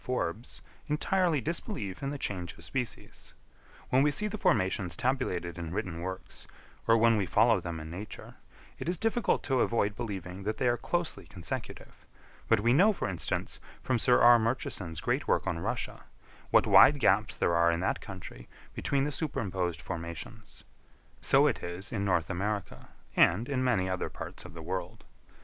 Forbes, entirely disbelieve in the change of species. When we see the formations tabulated in written works, or when we follow them in nature, it is difficult to avoid believing that they are closely consecutive. But we know, for instance, from Sir R. Murchison's great work on Russia, what wide gaps there are in that country between the superimposed formations; so it is in North America, and in many other parts of the world.